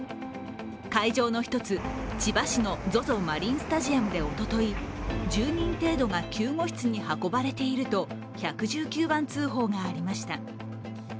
会場の１つ、千葉市のＺＯＺＯマリンスタジアムでおととい、１０人程度が救護室に運ばれていると１１９番通報がありました。